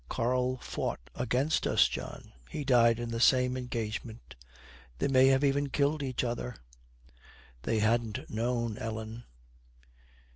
'Karl fought against us, John. He died in the same engagement. They may even have killed each other.' 'They hadn't known, Ellen.'